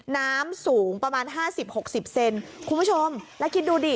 น้ำสูงประมาณห้าสิบหกสิบเซนคุณผู้ชมแล้วคิดดูดิ